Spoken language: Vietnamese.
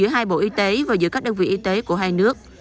giữa hai bộ y tế và giữa các đơn vị y tế của hai nước